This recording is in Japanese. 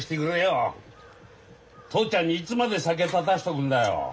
父ちゃんにいつまで酒断たしとくんだよ。